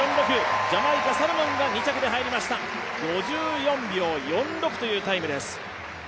ジャマイカサルモンが２着に入りました５４秒４６というタイムです。